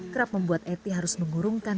kerap membuat eti harus mengurungkan